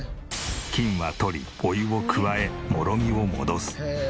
菌は取りお湯を加えもろみを戻す。